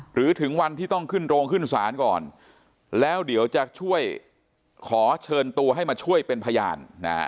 ถึงวันที่ต้องขึ้นโรงขึ้นศาลก่อนแล้วเดี๋ยวจะช่วยขอเชิญตัวให้มาช่วยเป็นพยาน